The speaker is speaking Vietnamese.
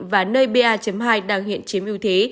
và nơi pa hai đang hiện chiếm ưu thế